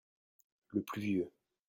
Le plus vieux.